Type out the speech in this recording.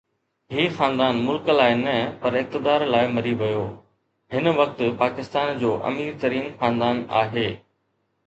هي خاندان ملڪ لاءِ نه پر اقتدار لاءِ مري ويو، هن وقت پاڪستان جو امير ترين خاندان آهي